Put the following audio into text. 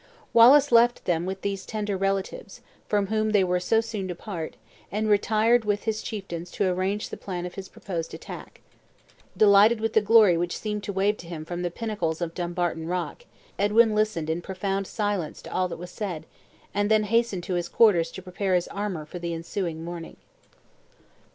Wallace left them with these tender relatives, from whom they were so soon to part, and retired with his chieftains to arrange the plan of his proposed attack. Delighted with the glory which seemed to wave to him from the pinnacles of Dumbarton Rock, Edwin listened in profound silence to all that was said, and then hastened to his quarters to prepare his armor for the ensuing morning.